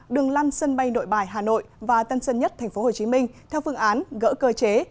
đường lăn sân bay nội bài hà nội và tân sân nhất tp hcm theo phương án gỡ cơ chế